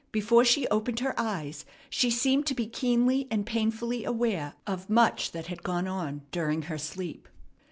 Before she opened her eyes she seemed to be keenly and painfully aware of much that had gone on during her sleep.